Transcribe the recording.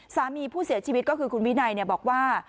สามีผู้เสียชีวิตก็คือคุณวินัยบอกว่า